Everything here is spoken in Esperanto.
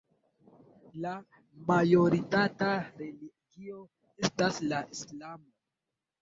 La majoritata religio estas la islamo.